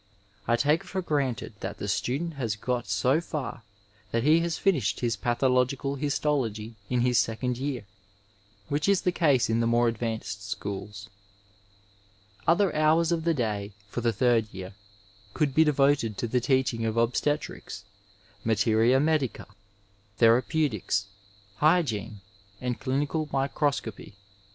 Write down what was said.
I take it ior granted 834 Digitized by VjOOQIC THE HOSPITAL AS A COLLEGE that the student has got so far that he has finished his pathological histology in his second year, which is the case in the more advanced schools. Other hours of the day for the third year could be de voted to the teaching of obstetrics, materia medica, thera peutics, hygiene and clinical microscopy.